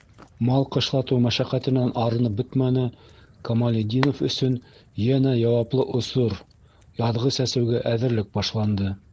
Мал ҡышлатыу мәшәҡәтенән арынып бөтмәне, Камалетдинов өсөн йәнә яуаплы осор - яҙғы сәсеүгә әҙерлек башланды.